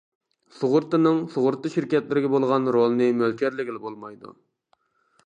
سۇغۇرتىنىڭ سۇغۇرتا شىركەتلىرىگە بولغان رولىنى مۆلچەرلىگىلى بولمايدۇ.